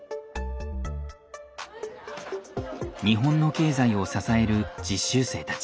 日本の経済を支える実習生たち。